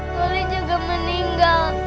noli juga meninggal